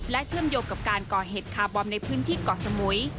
เชื่อมโยงกับการก่อเหตุคาร์บอมในพื้นที่เกาะสมุย